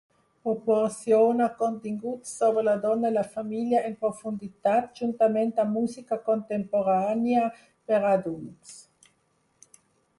Proporciona continguts sobre la dona i la família en profunditat, juntament amb música contemporània per a adults.